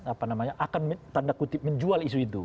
apa namanya akan menjual isu itu